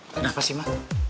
kenapa sih ma